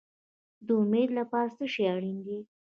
د امید لپاره څه شی اړین دی؟